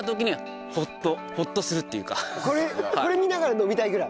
これ見ながら飲みたいぐらい？